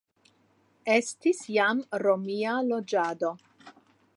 Estis jam romia loĝado.